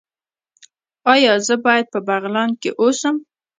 ایا زه باید په بغلان کې اوسم؟